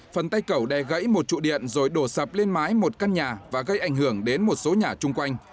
phần tay cầu đe gãy một trụ điện rồi đổ sập lên mái một căn nhà và gây ảnh hưởng đến một số nhà chung quanh